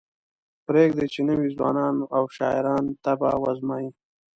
پریږدئ چې نوي ځوانان او شاعران طبع وازمایي.